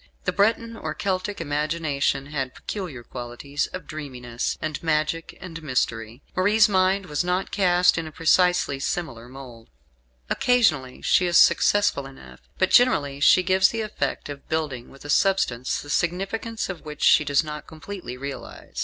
The Breton or Celtic imagination had peculiar qualities of dreaminess, and magic and mystery. Marie's mind was not cast in a precisely similar mould. Occasionally she is successful enough; but generally she gives the effect of building with a substance the significance of which she does not completely realise.